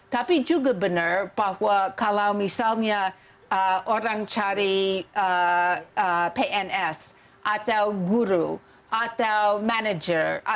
tapi juga benar bahwa kalau misalnya orang cari pns atau guru atau manajer